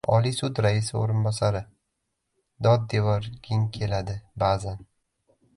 Oliy sud raisi o‘rinbosari: «Dod devorging keladi ba’zan!..»